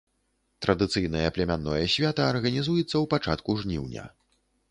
Традыцыйнае племянное свята арганізуецца ў пачатку жніўня.